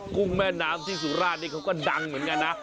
กุ้งแม่น้ำที่สุราชนี่เขาก็ดังเหมือนกันนะ